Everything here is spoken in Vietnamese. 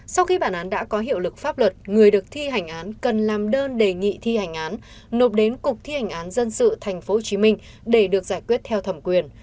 sau khi bản án đã có hiệu lực pháp luật người được thi hành án cần làm đơn đề nghị thi hành án nộp đến cục thi hành án dân sự tp hcm để được giải quyết theo thẩm quyền